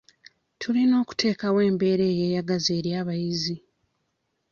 Tulina okuteekawo embeera eyeyagaza eri abayizi.